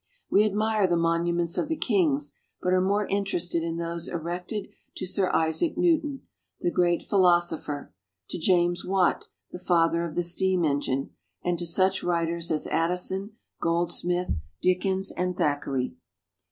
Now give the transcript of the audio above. We admire the monuments of the kings, but are more interested in those erected to Sir Isaac Newton, the great philosopher, to James Watt, the father of the steam engine, and to such writers as Addison, Goldsmith, Dickens, and Thackeray.